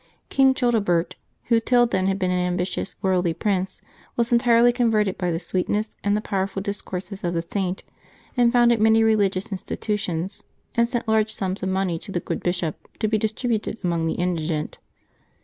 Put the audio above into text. King Childe bert, who till then had been an ambitious, worldly prince, was entirely converted by the sweetness and the powerful discourses of the Saint, and founded many religious in stitutions, and sent large sums of money to the good bishop, to be distributed among the indigent.